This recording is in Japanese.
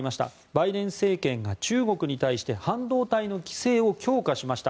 バイデン政権が中国に対して半導体の規制を強化しました。